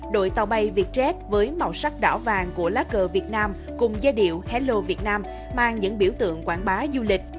đội tàu bay vietjet với màu sắc đỏ vàng của lá cờ việt nam cùng giai điệu hello việt nam mang những biểu tượng quảng bá du lịch